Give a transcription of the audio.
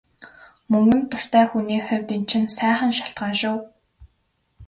Мөнгөнд дуртай хүний хувьд энэ чинь сайхан шалтгаан шүү.